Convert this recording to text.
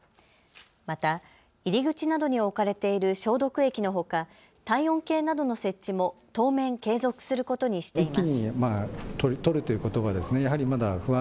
また入り口などに置かれている消毒液のほか、体温計などの設置も当面継続することにしています。